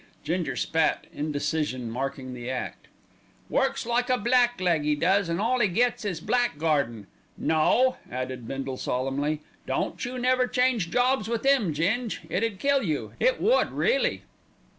Ginger spat, indecision marking the act. "Works like a blackleg, 'e does, an' all 'e gets is blackguardin'. No," added Bindle solemnly, "don't you never change jobs with 'im, Ging, it 'ud kill you, it would really."